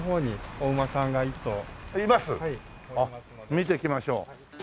見てきましょう。